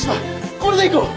これでいこう！